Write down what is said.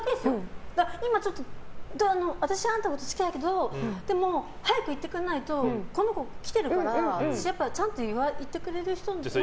今ちょっと、私あんたのこと好きだけどでも早く言ってくれないとこの子が来てるから私、ちゃんと言ってくれる人のところにって。